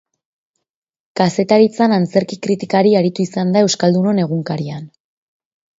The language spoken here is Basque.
Kazetaritzan antzerki kritikari aritu izan da Euskaldunon Egunkarian.